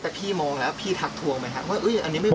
แต่พี่มองแล้วพี่ทักทวงไหมครับว่าอันนี้ไม่